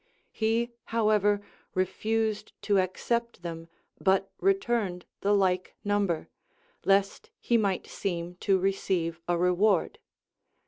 He, however, refused to accept them, but returned the like number, lest he might seem to receive a reward.